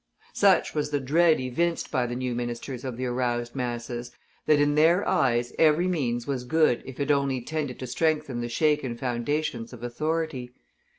Such was the dread evinced by the new ministers of the aroused masses, that in their eyes every means was good if it only tended to strengthen the shaken foundations of authority.